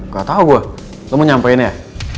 gatau gue lu mau nyampein ya